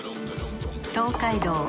東海道